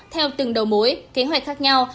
theo từng đầu mối kế hoạch khác nhau